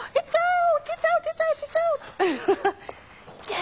あ！